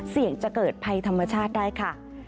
เสี่ยงจะเกิดภัยธรรมชาติได้ค่ะ